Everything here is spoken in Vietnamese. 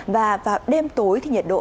và vào đêm tối thì nhiệt độ